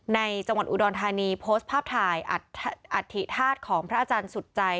ในจังหวัดอุดรธานีโพสต์ภาพถ่ายอธิธาตุของพระอาจารย์สุดใจ